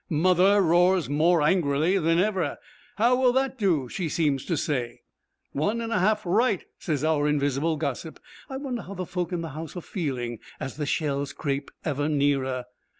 'Mother' roars more angrily than ever. 'How will that do?' she seems to say. 'One and a half right,' says our invisible gossip. I wonder how the folk in the house are feeling as the shells creep ever nearer.